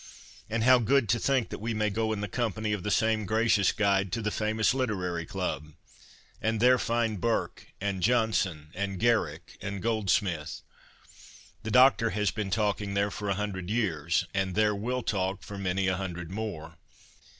' And how good to think that we may go in the company of the same gracious guide, to the famous Literary Club, and there find Burke and Johnson and Garrick and Goldsmith. ' The Doctor has been talking there for a hundred years, and there will talk for many a hundred more.'